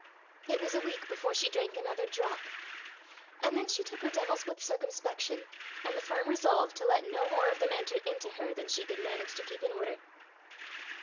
It was a week before she drank another drop and then she took her devils with circumspection, and the firm resolve to let no more of them enter into her than she could manage to keep in order.